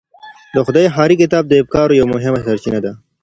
د خدای ښار کتاب د افکارو یوه مهمه سرچینه ده.